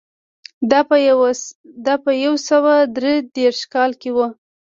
دا په یو سوه درې دېرش کال کې و